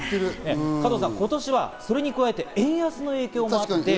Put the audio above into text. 加藤さん、今年はそれに加えて円安の影響があって。